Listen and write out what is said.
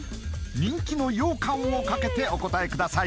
人気の羊羹をかけてお答えください